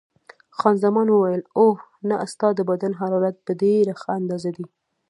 خان زمان وویل: اوه، نه، ستا د بدن حرارت په ډېره ښه اندازه دی.